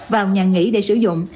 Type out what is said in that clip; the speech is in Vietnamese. vào nhà nghỉ để sử dụng